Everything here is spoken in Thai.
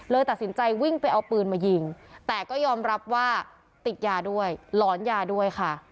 ตัดสินใจวิ่งไปเอาปืนมายิงแต่ก็ยอมรับว่าติดยาด้วยหลอนยาด้วยค่ะ